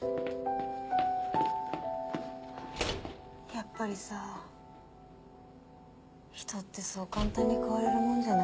やっぱりさ人ってそう簡単に変われるもんじゃないんだよね。